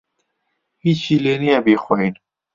ھیچی لێ نییە بیخۆین.